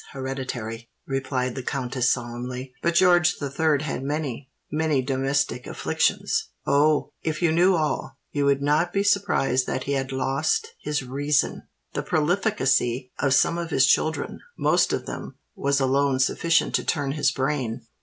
hereditary," replied the countess solemnly. "But George the Third had many—many domestic afflictions. Oh! if you knew all, you would not be surprised that he had lost his reason! The profligacy of some of his children—most of them—was alone sufficient to turn his brain.